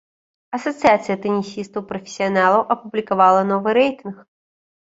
Асацыяцыя тэнісістаў прафесіяналаў апублікавала новы рэйтынг.